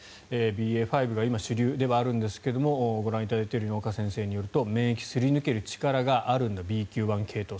ＢＡ．５が今主流ではあるんですがご覧いただいているように岡先生によると免疫をすり抜ける力があるＢＱ．１系統。